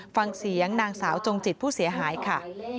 ฟังเสียงนางสาวจงจิตผู้เสียหายค่ะ